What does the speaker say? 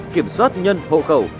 kiểm soát nhân hộ khẩu